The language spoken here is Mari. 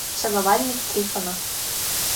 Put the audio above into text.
Целовальник Трифонов.